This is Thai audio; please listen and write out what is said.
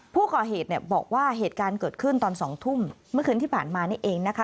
ผู้ก่อเหตุเนี่ยบอกว่าเหตุการณ์เกิดขึ้นตอน๒ทุ่มเมื่อคืนที่ผ่านมานี่เองนะคะ